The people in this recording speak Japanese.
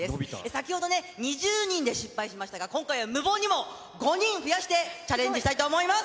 先ほどね、２０人で失敗しましたが、今回は無謀にも５人増やしてチャレンジしたいと思います。